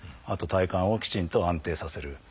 あと体幹をきちんと安定させる。